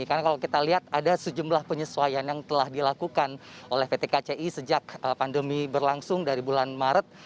karena kalau kita lihat ada sejumlah penyesuaian yang telah dilakukan oleh pt kci sejak pandemi berlangsung dari bulan maret